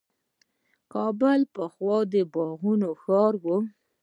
کابل پخوا د باغونو ښار و.